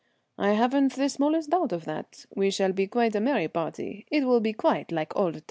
"I haven't the smallest doubt of that; we shall be quite a merry party. It will be quite like old times."